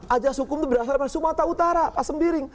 ajas hukum itu berasal dari sumatera utara pas sembiring